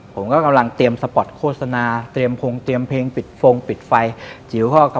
ผมก็กำลังเตรียมสปอร์ตโฆษณาเตรียมพงษ์เตรียมเพลงปิดฟงปิดไฟ